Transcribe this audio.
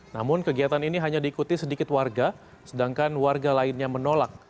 namun kegiatan ini hanya diikuti sedikit warga sedangkan warga lainnya menolak